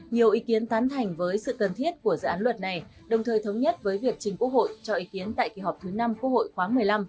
nhiều ý kiến tán thành với sự cần thiết của dự án luật này đồng thời thống nhất với việc chính quốc hội cho ý kiến tại kỳ họp thứ năm quốc hội khoáng một mươi năm